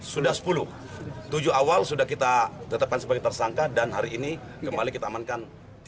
sudah sepuluh tujuh awal sudah kita tetapkan sebagai tersangka dan hari ini kembali kita amankan